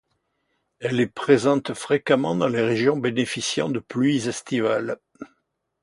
Elle est présente fréquemment dans les régions bénéficiant de pluies estivales.